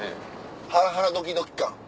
ハラハラドキドキ感。